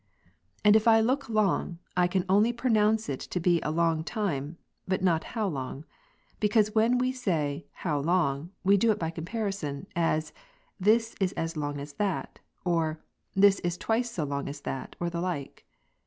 And if I look long, I can only pronounce it to be a long time, but not how long ; because when we say " how long," we do it by comparison ; as, "this is as long as that," or "this twice so long as that," or the like.